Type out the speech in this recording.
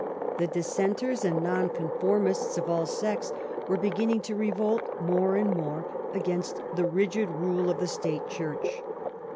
The Dissenters and Nonconformists of all sects were be ginning to revolt more and more against the rigid rule of the state Church.